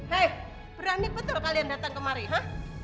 hei berani betul kalian datang kemari ha